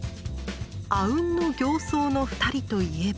阿吽の形相の２人といえば。